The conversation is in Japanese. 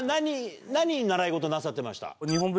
何習い事なさってました？